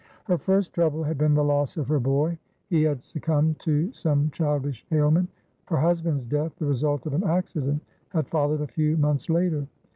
Her first trouble had been the loss of her boy; he had succumbed to some childish ailment; her husband's death the result of an accident had followed a few months later.